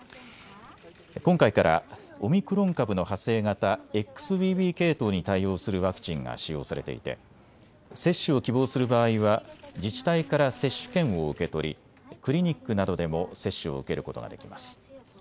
今回からオミクロン株の派生型、ＸＢＢ系統に対応するワクチンが使用されていて接種を希望する場合は自治体から接種券を受け取りクリニックなどでも接種を受けることができます。